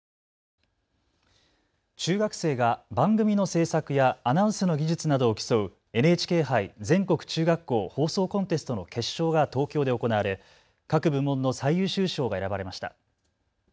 中学生が番組の制作やアナウンスの技術などを競うＮＨＫ杯全国中学校放送コンテストの決勝が東京で行われ各部門の最優秀賞が選ばれました。